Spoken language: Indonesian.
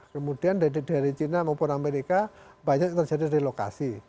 kemudian dari china maupun amerika banyak terjadi dari lokasi